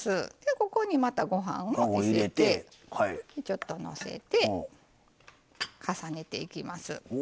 ここに、ご飯を入れてちょっとのせて重ねていきます。